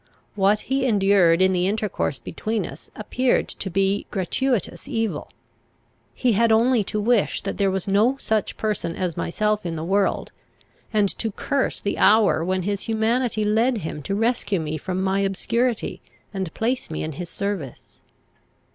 What he endured in the intercourse between us appeared to be gratuitous evil. He had only to wish that there was no such person as myself in the world, and to curse the hour when his humanity led him to rescue me from my obscurity, and place me in his service.